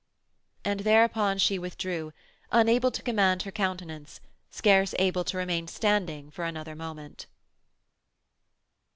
And thereupon she withdrew, unable to command her countenance, scarce able to remain standing for another moment.